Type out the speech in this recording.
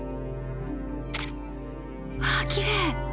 ああきれい！